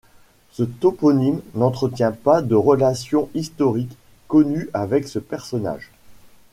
Ce toponyme n'entretient pas de relation historique connue avec ce personnage.